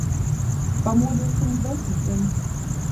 Pamodos pirms desmitiem.